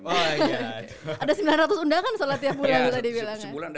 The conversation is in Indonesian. ada sembilan ratus undangan sholat tiap bulan bisa dibilang ya